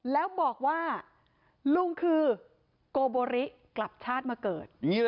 แล้วบอกว่าลุงคือโกโบริกลับชาติมาเกิด